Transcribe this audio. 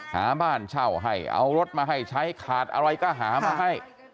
หาบ้านเช่าให้เอารถมาให้ใช้ขาดอะไรก็หามาให้